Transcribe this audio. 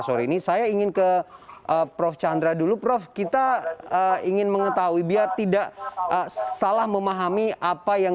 sore ini saya ingin ke prof chandra dulu prof kita ingin mengetahui biar tidak salah memahami apa yang